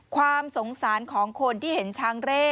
ความสงสารของคนที่เห็นช้างเร่